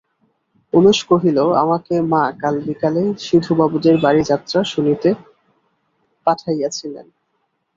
উমেশ কহিল, আমাকে মা কাল বিকালে সিধুবাবুদের বাড়ি যাত্রা শুনিতে পাঠাইয়াছিলেন।